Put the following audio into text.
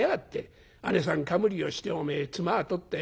姉さんかぶりをしておめえ褄を取ってよ